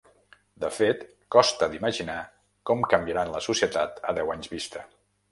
De fet, costa d’imaginar com canviaran la societat a deu anys vista.